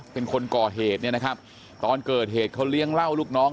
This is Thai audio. เป็นคนก่อเหตุเนี่ยนะครับตอนเกิดเหตุเขาเลี้ยงเหล้าลูกน้อง